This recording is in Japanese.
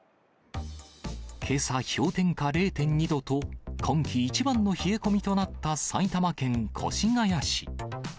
けさ、氷点下０．２度と今季一番の冷え込みとなった埼玉県越谷市。